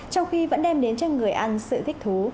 trong khi vẫn đem đến cho người ăn sự thích thú